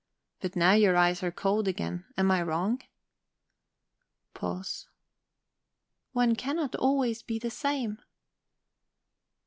But now your eyes are cold again. Am I wrong?" Pause. "One cannot always be the same..."